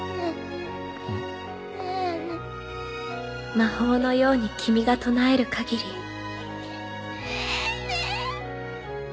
魔法のように君が唱える限りねぇね。